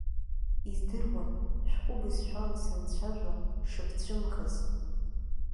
Издыруан шәҟәы бызшәала санцәажәо шыбцәымӷыз.